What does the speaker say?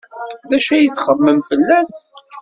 D acu ay txemmem fell-as?